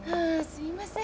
すいません。